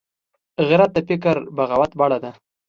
غیرت د فکري بغاوت بڼه ده